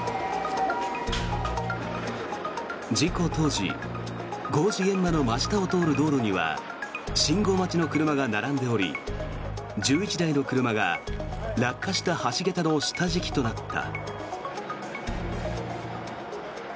事故当時工事現場の真下を通る道路には信号待ちの車が並んでおり１１台の車が落下した橋桁の下敷きとなった。